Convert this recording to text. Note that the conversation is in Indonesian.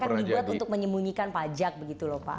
perusahaan canggih dibuat untuk menyembunyikan pajak begitu lho pak